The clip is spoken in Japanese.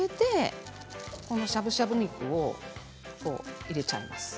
しゃぶしゃぶ肉を入れてしまいます。